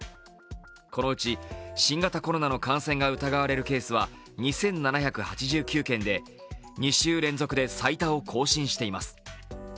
このうち新型コロナの感染が疑われるケースは２７８９件で２週連続で最多を更新しています。